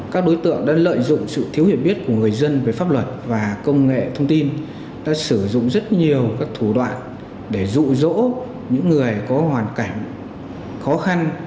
các đối tượng đã lợi dụng sự thiếu hiểu biết của người dân về pháp luật và công nghệ thông tin đã sử dụng rất nhiều các thủ đoạn để dụ dỗ những người có hoàn cảnh khó khăn